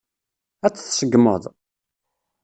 Ad t-tseggmeḍ?